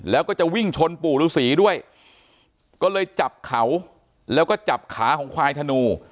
แล้วก็จะวิ่งชนปู่ฤษีด้วยก็เลยจับเขาแล้วก็จับขาของควายธนู